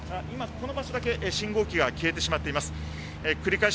この場所だけ信号機が消えています。